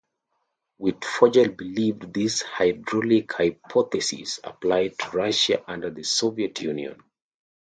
Wittfogel believed this hydraulic hypothesis applied to Russia under the Soviet Union.